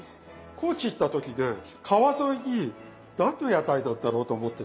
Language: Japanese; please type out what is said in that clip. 高知行った時ね川沿いに何の屋台なんだろうと思ってたんですよ。